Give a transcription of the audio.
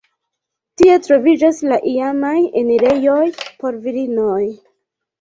Tie troviĝas la iamaj enirejoj por virinoj.